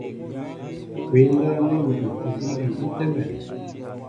Kwǐ ndáp nɛ́ ni ipu' gínɛ́ ígi í tɛ́mɛ.